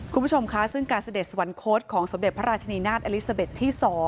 คุณผู้ชมค่ะซึ่งการเสด็จสวรรคตของสมเด็จพระราชนีนาฏอลิซาเบ็ดที่๒